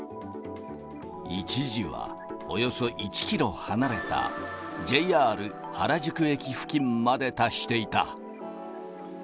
一時はおよそ１キロ離れたＪＲ原宿駅付近まで達していた。